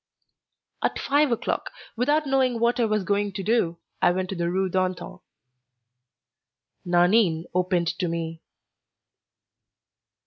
At five o'clock, without knowing what I was going to do, I went to the Rue d'Antin. Nanine opened to me.